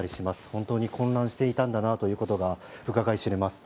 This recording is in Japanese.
本当に混乱していたんだなということがうかがいしれます。